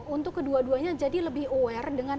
untuk kedua duanya jadi lebih aware dengan